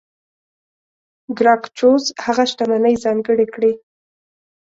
ګراکچوس هغه شتمنۍ ځانګړې کړې.